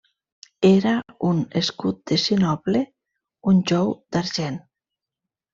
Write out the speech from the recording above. Era un escut de sinople, un jou d'argent.